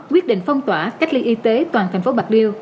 quyết định phong tỏa cách ly y tế toàn thành phố bạc liêu